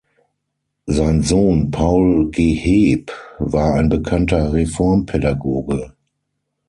Sein Sohn Paul Geheeb war ein bekannter Reformpädagoge.